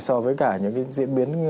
so với cả những diễn biến